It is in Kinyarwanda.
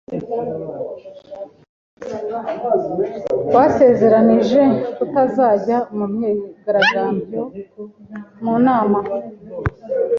Basezeranije kutazajya mu myigaragambyo mu nama.